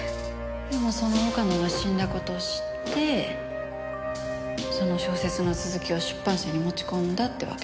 でもその岡野が死んだ事を知ってその小説の続きを出版社に持ち込んだってわけね。